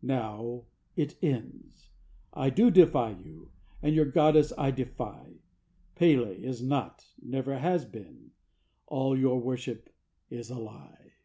Now it ends! I do defy you, and your goddess I defy. P├®l├®, is not, never has been. All your worship is a lie.